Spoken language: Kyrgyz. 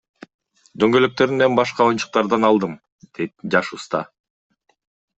Дөңгөлөктөрүн мен башка оюнчуктардан алдым, — дейт жаш уста.